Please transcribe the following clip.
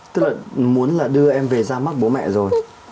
tức là muốn là đưa em về ra mắt bố mẹ rồi